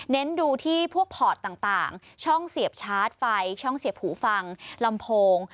ดูที่พวกพอร์ตต่างช่องเสียบชาร์จไฟช่องเสียบหูฟังลำโพง